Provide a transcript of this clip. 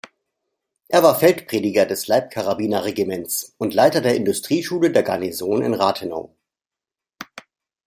Er war Feldprediger des Leibcarabiner-Regiments und Leiter der Industrieschule der Garnison in Rathenow.